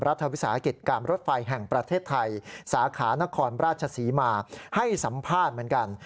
รัฐวิสาหกิจการรถไฟแห่งประเทศไทยสาขานครราชศรีมาให้สัมภาษณ์เหมือนกัน